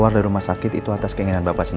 nreses perempuan itu kita igat kan